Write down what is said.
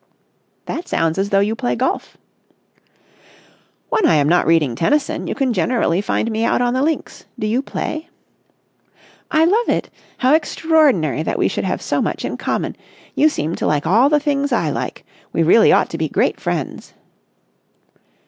"That sounds as though you play golf." "When I am not reading Tennyson, you can generally find me out on the links. Do you play?" "I love it. How extraordinary that we should have so much in common. You seem to like all the things I like. We really ought to be great friends."